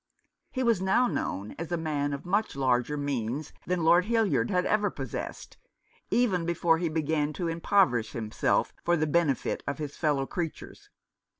He was now known as a man of much larger means than Lord 279 Rough Justice. Hildyard had ever possessed, even before he began to impoverish himself for the benefit of his fellow creatures.